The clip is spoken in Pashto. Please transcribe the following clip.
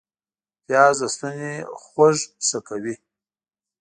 پیاز د ستوني خوږ ښه کوي